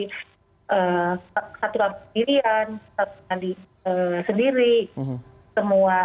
itu memang sebaiknya isolasi mandiri itu dilakukan dengan baik